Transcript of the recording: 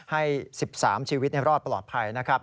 ให้๑๓ชีวิตรอดปลอดภัยนะครับ